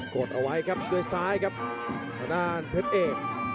ดเอาไว้ครับด้วยซ้ายครับทางด้านเพชรเอก